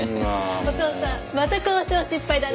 お父さんまた交渉失敗だね。